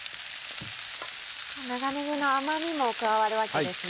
長ねぎの甘みも加わるわけですね。